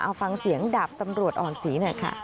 เอาฟังเสียงดาบตำรวจอ่อนศี